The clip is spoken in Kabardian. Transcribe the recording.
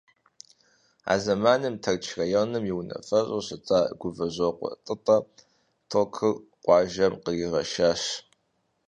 А зэманым Тэрч районым и унафэщӀу щыта Гувэжокъуэ ТӀытӀэ токыр къуажэм къригъэшащ.